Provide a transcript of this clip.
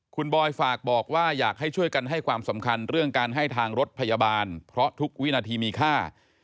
คุณบอยฝากบอกว่าอยากให้ช่วยกันให้ความสำคัญเรื่องการให้ทางรถพยาบาลเพราะทุกวินาทีมีค่า